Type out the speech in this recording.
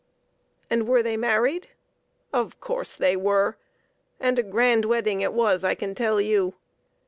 And were they married ? Of course they were ! and a grand wedding it was, I can tell you.